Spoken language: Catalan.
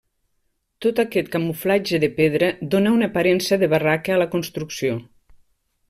Tot aquest camuflatge de pedra dóna una aparença de barraca a la construcció.